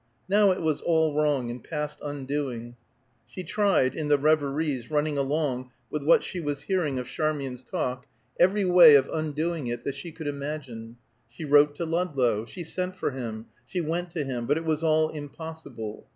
Now it was all wrong, and past undoing. She tried, in the reveries running along with what she was hearing of Charmian's talk, every way of undoing it that she could imagine: she wrote to Ludlow; she sent for him; she went to him; but it was all impossible.